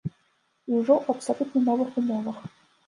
І ўжо ў абсалютна новых умовах.